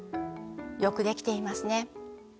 よくできていますね。